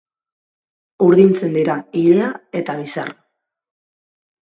Urdintzen dira ilea eta bizarra.